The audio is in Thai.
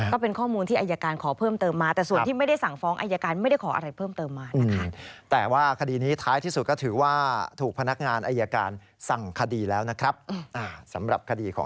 ก็เป็นข้อมูลที่อายการขอเพิ่มเติมมา